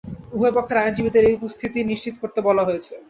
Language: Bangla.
উভয় পক্ষের আইনজীবীদের ওই উপস্থিতি নিশ্চিত করতে বলা হয়েছে।